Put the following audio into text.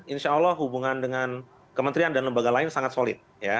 insya allah hubungan dengan kementerian dan lembaga lain sangat solid